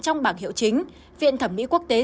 trong bảng hiệu chính viện thẩm mỹ quốc tế